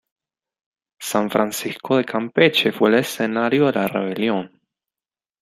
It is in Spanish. San Francisco de Campeche fue el escenario de la rebelión.